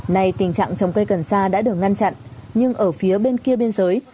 nay tình trạng trồng cây cần sa đã được ngăn chặn nhưng ở phía bên kia biên giới